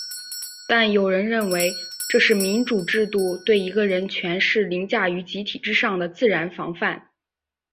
但有人认为这是民主制度对一个人权势凌驾于集体之上的自然防范。